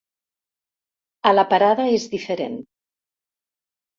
A la parada és diferent.